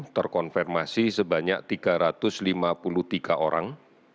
terkonfirmasi sebanyak tiga ratus lima puluh tiga orang